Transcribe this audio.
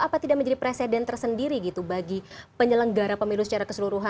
apa tidak menjadi presiden tersendiri gitu bagi penyelenggara pemilu secara keseluruhan